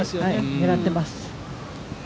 狙ってます。